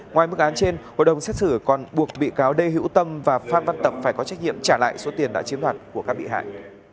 ngoài mức án trên hội đồng xét xử còn buộc bị cáo lê hữu tâm và phan văn tập phải có trách nhiệm trả lại số tiền đã chiếm đoạt của các bị hại